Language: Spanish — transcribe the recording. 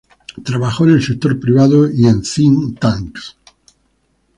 Trabajó en el sector privado y en "think tanks".